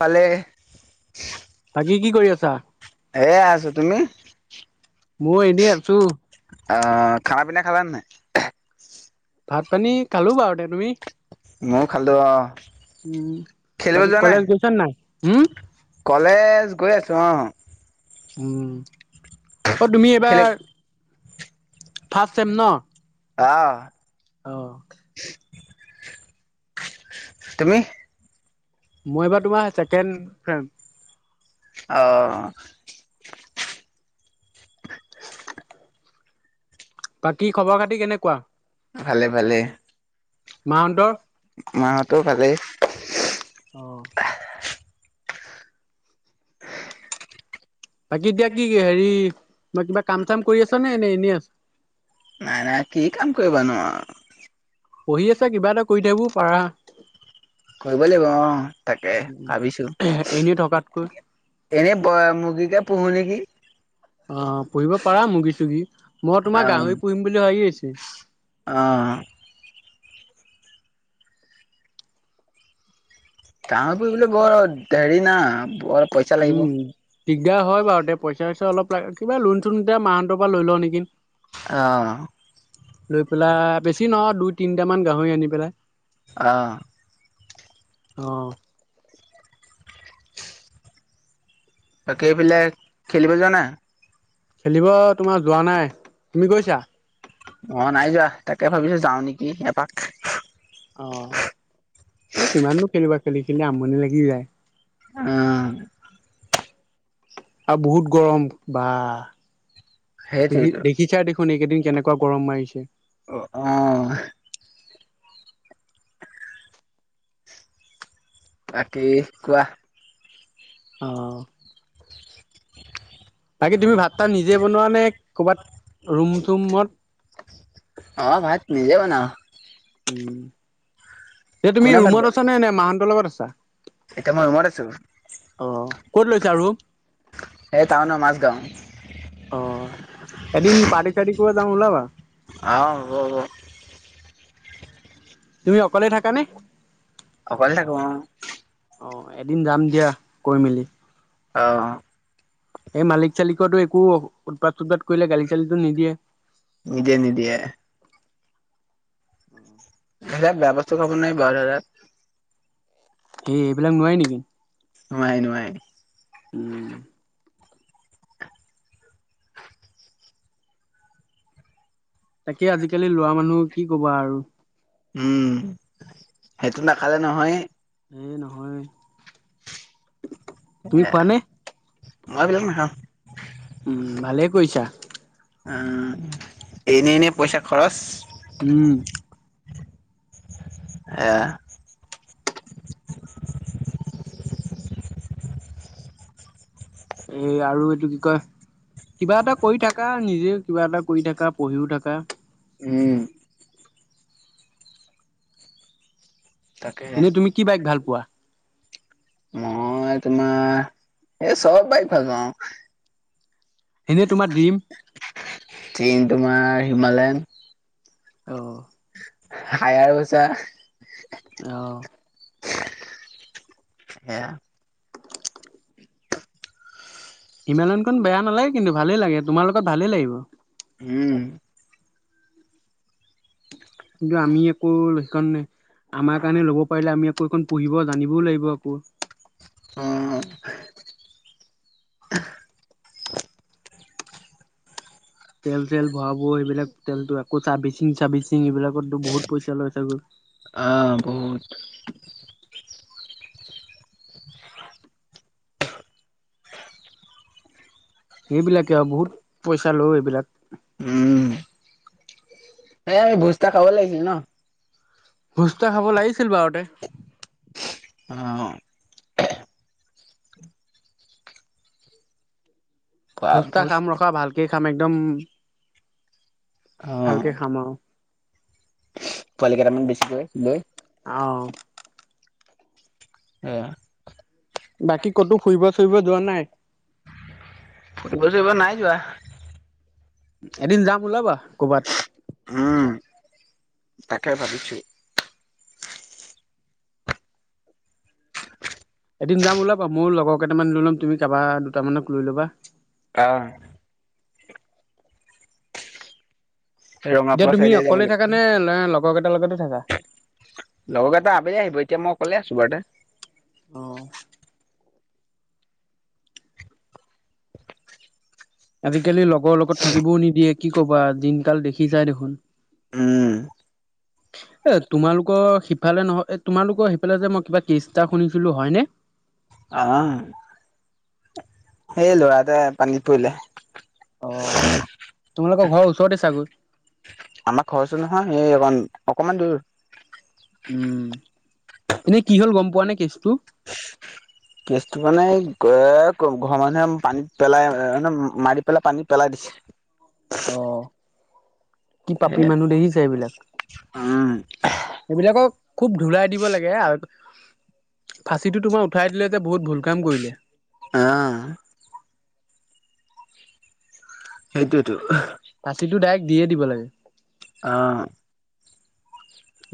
পালে তাকি কি কৰি আছা? এ আছো তুমি? মই এনেিয় আছো। খানা পিনা খালেহাই? ভাত পানী কালো বাৰুতে তুমি? ময় খালটোো আহ উম। খেলিবলৈ বাকী যোৱা কলেজ গৈছা উম, নাই? কলেজ গৈ আছো আহ। উম, অ' তুমি খেলি এইবাৰ ফাৰ্ষ্ট চেম ন? আহ। অ' তুমি? মই এইবাৰ তোমাৰ ছেকেণ্ড ফ্ৰে অ'। বাকী খবৰ খাতি কেনেকুৱা ভালে ভালে। মাহঁতৰ? মাহতো ভালেই। অ'। বাকী এতিয়া কি কি হেৰি মই কিবা কাম চাম কৰি আছ নে এনেই এনে আছা। নাই নাই কি কাম কৰিব নো। পঢ়ি আছ কিবা এটা কৰি থাকিব পাৰা। কৰিব লাগিব অ' তাকে ভাবিছো। এনেই থকাতকৈ। এনেই মুৰ্গীতে পুহো নেকি। অ' পঢ়িব পাৰা মুৰ্গী তগী মই অ তোমাৰ গাহৰি পুহিম বুলি ভাবি আছো। অ'। কাহৰ ফুবলে বৰ হেৰি না বৰ পইচা লাগিব উম, দিগদাৰ হয় বাৰু তে পইচা চইচা অলপ কিবা লোন চোনতিয়া মাহঁতৰ পৰা লৈ লওঁ নেকি। অ'। লৈ পেলাই বেছি নহয় দুই তিনিটামান গাহৰি আনি পেলাই অ'। অ'। বাকীফালে খেলিব যোৱা নাই? খেলিব তোমাৰ যোৱা নাই, তুমি গৈছা? অ' নাই যোৱা তাকে ভাবিছো যাওঁ নেকি এপাক। অ' এই কিমান দ খেলিবা খেলি কিন্তি আমনি লাগি যায়। উম, আৰু বহুত গৰম বা দেখি সেইটোৱেইটো। দেখি কিচাৰ দেখোন এইকেইদিন কেনেকুৱা গৰম মাৰিছে। অ', অ'। বাকী কোৱা। অ'। বাকী তুমি ভাত তাত নিজে বনোৱা নে কৰ'বাত ৰুম চুমত অ' ভাত নিজে বনাও। উ, এতিয়া তুমি কোনে ভাত ৰুমত বনাই? আছা নে নে মাহন্তৰ লগত আছা? এতিয়া মই উমৰেছো। অ', ক'ত লৈছা ৰুম? এই টাউনৰ মাজগাঁও। অ', এদিন পাৰেি চাৰি ক যামওঁ ওলাবা। অ'। তুমি অকলে থাকানে অ কল ক অ এদিন যাম দিয়া কৈ মেলি অঁ সেই মালিক চালিকটো একো উৎপাত চটপাত কৰিলে গালি চালিটো নিদিয়ে নিদে নিদিয়ে সেয়া বে বস্তা খাব নাই বাৰু দজাত সেই এইবিলাক নোৱাই নেকি নমাই নোোৱাই উম, তাকে আজিকালি লৰা মানুহ কি কবা আৰু উম সেইটো নাখালে নহয় এইে নহয় তুমি এ খোৱানে? মইবিলাক নাখাওঁ উম ভালে কৰিৈছা এনেই এনে পইচা খৰচ উম এ এই আৰু এইটো কি কয় কিবা এটা কৰি থাককা নিজে কিবা এটা কৰি থাককা পঢ়িও থকা উম তাকেহে। এনেই তুমি কি বাইক ভাল পোৱা মই তোমাৰ এই চব বাৰ ভাল পা আৰু সেনেই তোমাৰ ড্ৰিম চেইন তোমাৰ হিমালয়ন অ হায়াৰ বছা অ সেয়া হিমালয়নখন বেয়া নালাগে কিন্তু ভালেই লাগে তোমাৰ লগত ভালেই লাগিব উম কিন্তু আমি একো সেইখন নাই আমাৰ কাৰণে ল'ব পাৰিলে আমি কখন পঢ়িব জানিবও লাগিব আকৌ অ তেল চল ভৰাব সেইবিলাক তেলতো আকৌ চাৰ্ভিচিং চাৰ্ভিচিং এইবিলাকতো বহুত পইচা লৈছেগৈ আহ বহুত সেইবিলাকে আৰু বহুত পইচা লয় এইবিলাক উম এই আমি ভোজ তা খাব লাগছিল ন ভোজা খাব লাগিছিল বাৰুতে অ খোৱা সুচ্তা ভোজ খাম ৰখা ভালকে খাম একদম অ ভালকে খাম আৰু পোৱালিেটামান বেছিকৈ লৈ অ সে বাকী ক'তো ফুৰিব ফুইব যোৱা নাই ফুটবল চ এইব নাই যোৱা এদিন যাম ওলাবা কৰ'বাত উম তাকে পাবছো এদিন যাম ওলাবা ময়ো লগৰ কেইটামান লৈ ল'ম তুমি কাৰোাৰ দুামানক লৈ ল'বা অ এতিয়া ৰঙাপাৰা তুমি চাইডে যাব অকলে লাগিব থাকা নে, লগৰ কেইটাৰ লগতে থাকা? লগৰ এটা আবেল আহিব, এতিয়া মই ককলে আছো বাৰু অ', আজিকালি লগৰ লগত থাকিবও নিদিয়ে, কি কবা দিনকাল দেখি যাই দেখোন। উম উ, এ, তোমালোকৰ সিফালে নহয় তোমালোকৰ সিফালে যে মই কিবা কিষ্টটা শুনিছিলো হয়নে? আহ, এই ল'ৰাট পানীত পৰিলে। অ', তোমালোকৰ ঘৰৰ ওচৰতে চাগৈ আমাৰ ঘৰ ওচৰত নহয়, সেই অকমান দূৰ। উম, এনেই কি হ'ল গম পোৱা নে কেচটো? কেছটো মানে, ঘৰৰ মানুহে পানীত পেলাই মানে মাৰি পেলাই পানীত পেলাই দিছে। অ', কি পাপি মানুহ দেখিছে এইবিলাক উম এইবিলাকক খুব ধলাই দিব লাগে আৰু ফাঁচিটো তোমাৰ উঠাই দিলে যে বহুত ভুল কাম কৰিলে অ' সেইটোয়েতো ফাঁচীটো ডাইৰেক্ট দিয়ে দিব লাগে। অ',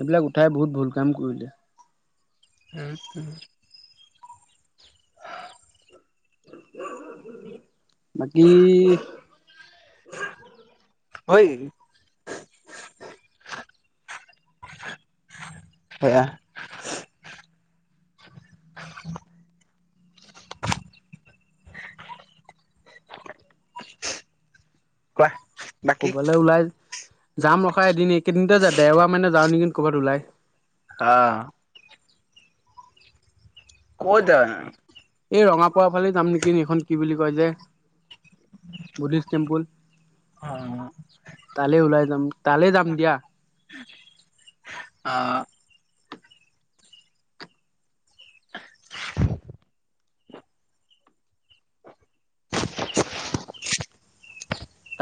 এইবিলাক উঠাই বহুত ভুল কাম কৰিলে স [inaudible] বাকি হয় [unintelligible] সেয়া কোৱা বাকী ক'ৰবালৈ ওলাই যাম, ৰখা এদিন এইকেইদিনতে দেওবাৰ মানে যাও নেকি কৰবাত ওলাই অ' ক'ত যাব নো এই ৰঙাপাৰা ফালে যাম নেকি, এইখন কি বুলি কয় যে বুদ্ধিষ্ট টেম্পুল তালৈ ওলাই যাম তালৈ যাম দিয়া। আহ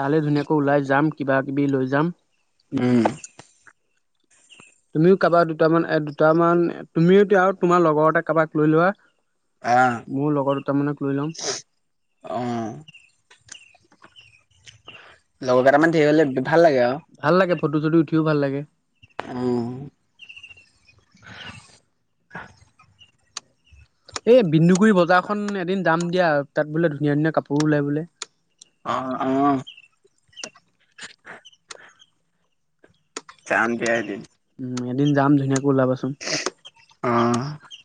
তালৈ ধুনীয়াকৈ ওলাই যাম, কিবা কিবি লৈ যাম উম তুমিও কাৰোবাক, দুটামান এ দুটামান তুমিও এতিয়া আৰু তোমাৰ লগৰতে কাৰোবাক লৈ লোৱা অ' মোৰ লগৰ দুটামানক লৈ ল'ম অ', লগৰ কেইটা মানে ধেৰ হলে ভাল লাগে আৰু ভাল লাগে, ফটো চটো উঠিও ভাল লাগে। উম [inaudible] এই বিন্দুগুৰি বজাৰখন এদিন যাম দিয়া, তাত বোলে ধুনীয়া ধুনীয়া কাপোৰো ওলাই বোলে অ, ' [unintelligible] [unintelligible] উম, এদিন যাম, ধুনীয়াকৈ ওলাবাচোন অ',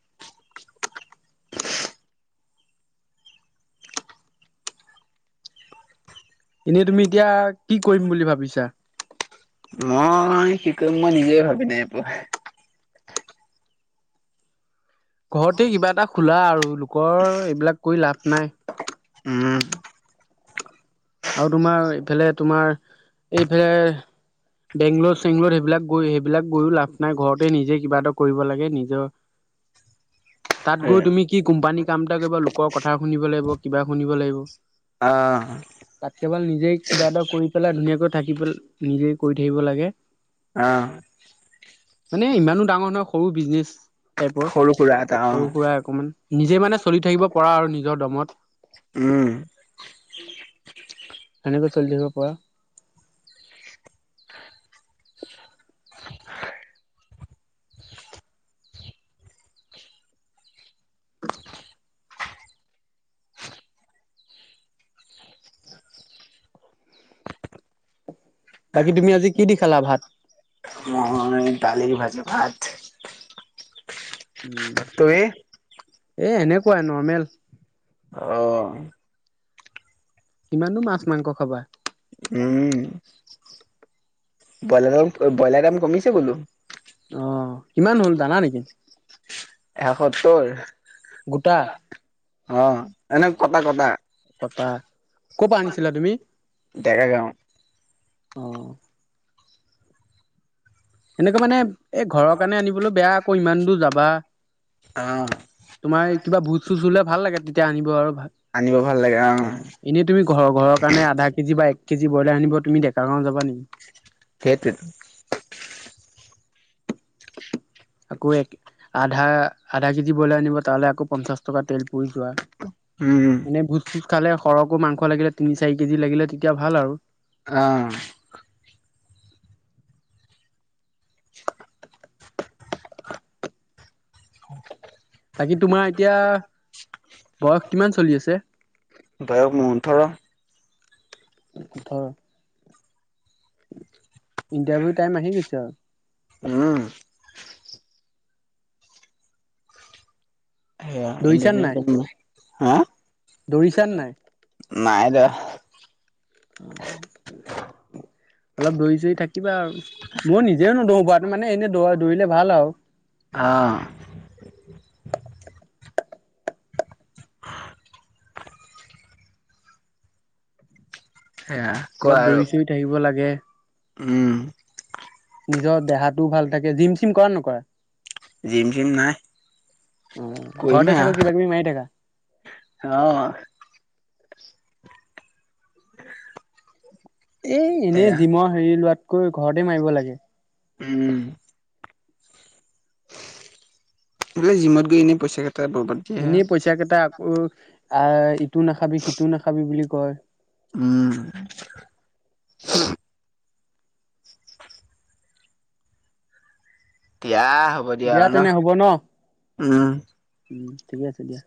এনেই, তুমি এতিয়া কি কৰিম বুলি ভাবিছা মই মই কি কৰিম, মই নিজে ভাবি নাই পোৱা ঘৰতে কিবা এটা খোলা, আৰু লোকৰ এইবিলাক কৰি লাভ নাই উম আৰু তোমাৰ ইফালে তোমাৰ এইফালে বেংগলৰ চেংলৰ সেইবিলাক গৈ সেইবিলাক গৈও লাভ নাই ঘৰতে নিজে কিবা এটা কৰিব লাগে নিজৰ [inaudible] তাত গৈ তুমি কি কোম্পানী কাম এটা কৰিবা লোকৰ কথা শুনিব লাগিব কিবা শুনিব লাগিব। অঁ'। তাত কে ভাল নিজে কিবা এটা কৰি পেলাই ধুনীয়াকৈ থাকি নিজে কৰি থাকিব লাগে। অ'। মানে ইমানো ডাঙৰ নহয় সৰু বিজনেচ টাইপৰ সুৰা এটা অ সৰু সুৰা অকমান নিজে মানে চলি থাকিব পৰা আৰু নিজৰ দমত। উম। সেনেকৈ চলি থাকিব পৰা। [inaudible] বাকী তুমি আজি কি দি খালা ভাত? মই দালি ভাজি ভাত। উম, তুমি এই, এেনেকুৱা নৰ্মেল। অ'। কিমাননো মাছ মাংস খাবা। উম। ব্ৰইলাৰাম-ব্ৰইলাৰ দাম কমিছে বোলো। অ', কিমান হ'ল জানা নেকি? এসত্তৰ গোটা অ', এনে কটা-কটা। কটা। ক'ৰ পৰা আনিছিলা তুমি ডেকা গাও। অ সেনেকুৱে মানে এই ঘৰৰ কাৰণে আনিবলৈ বেয়া আকৌ ইমান দূৰ যাবা। অ তোমাৰ কিবা ভোজ চোজ হলে ভাল লাগে তেতিয়া আনিব আৰু ভাল। আনিব ভাল লাগে অ'। এনেই তুমি ঘৰ ঘৰৰ কাৰনে আধা কেজ বা এক কেজি ব্ৰলাৰ আনিব তুমি ডেকাৰ গাওঁ যাবা নেকি? সেইটোৱেটো। আকৌ এক আধা-আধা কেজি ব্ৰইলাৰ আনিব তালৈ আকৌ পঞ্চাছ টকা তেল পৰি যোৱা। উম। মানে ভোজ-ভোজ খালে সৰহকো মাংস লাগিলে তিনি চাৰি কেজি লাগিলে তেতিয়া ভাল আৰু। অ'। [unintelligible] বাকী তোমাৰ এতিয়া বয়স কিমান চলি আছে? বয়স মোৰ ওঁঠৰ। ওঁঠৰ। ইণ্টাৰভিউ টাইম আহি গৈছে আৰু। উম। সয়া, দৌৰিছা নাই [unintelligible] হা দৌৰিছা নাই নাই দিয়া। অলপ দৰি চৰি থাকিবা আৰু। মই নিজেও নদৰো বাৰু মানে এনেই দৈৰিলে ভাল আৰু। অ'। সেয়া। কোৱা অলপ আৰু দৌৰি চৰি থাকিব লাগে। উম। নিজৰ দেহাটোও ভাল থাকে জিম-চিম কৰা নকৰা? জিম চিম নাই অ', ঘৰতে কৰিমহে থাকো আৰু কিবা-কিবি মাৰি থকা। অ'। [unintelligible] এই এনেই সেয়া জিমৰ হেৰি লোৱাতকৈ ঘৰতে মাৰিব লাগে। উম। এনে জিমত গৈ এনেই পইচা কেইটা বৰবাদ। দিয়ে এনেই পইচা কেইটা আকৌ আহ ইটো নাখাবি সিটো নাখাবি বুলি কয়। উম। দিযয়া হ'ব দিয়া আৰু ন উম। উম, ঠিকে আছে দিয়া।